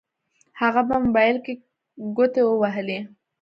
هغه په موبايل کې ګوتې ووهلې.